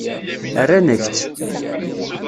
Rran-ak-tt.